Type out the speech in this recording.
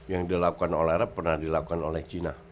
yang dilakukan oleh arab pernah dilakukan oleh china